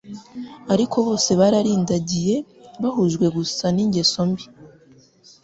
Ariko bose bararindagiye bahujwe gusa n’ingeso mbi